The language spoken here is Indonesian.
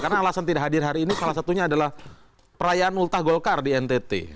karena alasan tidak hadir hari ini salah satunya adalah perayaan multah golkar di ntt